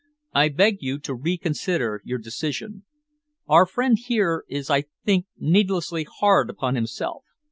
I beg you to reconsider your decision. Our friend here is, I think, needlessly hard upon himself.